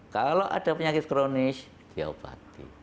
kalau ada penyakit kronis diobati